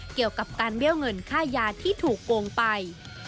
เกี่ยวกับการเบี้ยวเงินค่ายาที่ถูกโกงไป